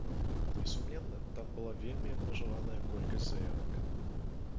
Несумненна, там была вельмі абмежаваная колькасць заявак.